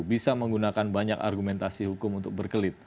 bisa menggunakan banyak argumentasi hukum untuk berkelit